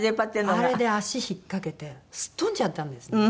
あれで足引っかけてすっ飛んじゃったんですね。